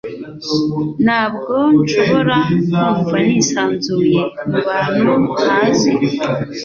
Ntabwo nshobora kumva nisanzuye mubantu ntazi.